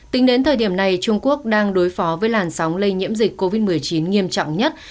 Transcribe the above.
tính đến thời điểm này trung quốc đang đối phó với làn sóng lây nhiễm dịch covid một mươi chín nghiêm trọng nhất